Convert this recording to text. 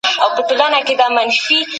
د خپلواک ژوند